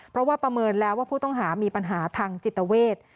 เพราะว่าประเมินแล้วว่าผู้ต้องหามีปัญหาทางจิตเวท